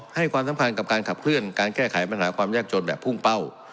ให้ความสำคัญกับการขับเคลื่อนการแก้ไขปัญหาความยากจนแบบพุ่งเป้า